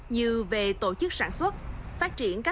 như về tổ chức sản xuất